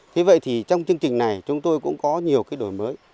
thế vậy thì trong chương trình này chúng tôi cũng có nhiều cái đổi mới